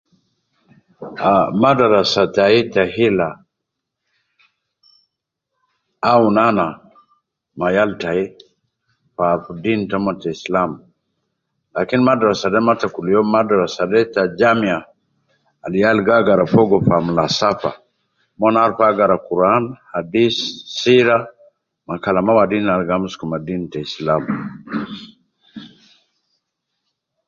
Ah madarasa tai ta hilla awun ana ma yal tai fi aruf deen tomon te islam lakin madrasa de ma ta rio madrasa de ta jamiya al yal gi agara fogo fi amula safa, mon aruf agara Quran , Hadith sira Kalama wadin al gi amsuku fi deeni te Islam